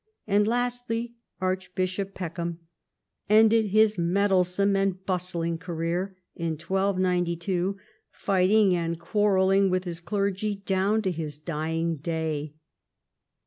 And lastly Archbishop Peckham ended his meddlesome and bustling career in 1292, fighting and quarrelling with his clergy down to his dying day.